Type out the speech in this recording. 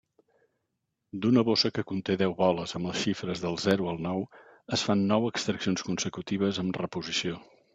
D'una bossa que conté deu boles amb les xifres del zero al nou es fan nou extraccions consecutives amb reposició.